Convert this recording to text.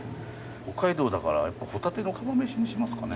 北海道だからやっぱホタテの釜めしにしますかね。